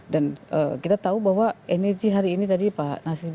dan kita tahu bahwa energi hari ini tadi ini adalah energi